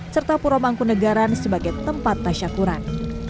serta pura mangku negara sebagai tempat tasyakuran